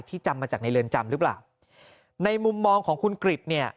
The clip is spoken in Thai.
จำมาจากในเรือนจำหรือเปล่าในมุมมองของคุณกริจเนี่ย